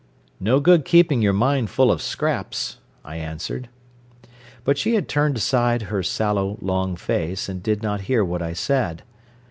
"No good keeping your mind full of scraps," I answered. But she had turned aside her sallow, long face, and did not hear what I said.